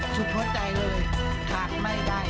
สุดหัวใจเลยขาดไม่ได้